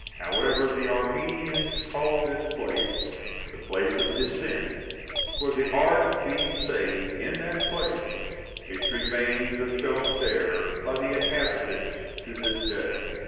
However, the Armenians call this place, [GREEK] 16 The Place of Descent; for the ark being saved in that place, its remains are shown there by the inhabitants to this day.